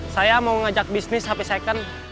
saya mau ngajak bisnis hp second